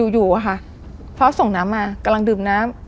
อยู่อะค่ะพอส่งน้ำมากำลังดื่มน้ำ